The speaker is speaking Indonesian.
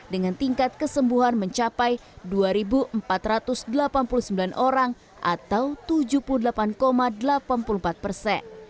dengan tingkat kesembuhan mencapai dua empat ratus delapan puluh sembilan orang atau tujuh puluh delapan delapan puluh empat persen